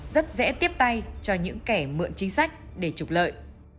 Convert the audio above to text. rất dễ tiếp tay cho những kẻ mượn chính sách để trục lợi